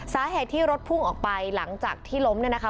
สาเหตุที่รถพุ่งออกไปหลังจากที่ล้มเนี่ยนะคะ